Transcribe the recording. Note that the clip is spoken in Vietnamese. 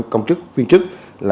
công chức viên chức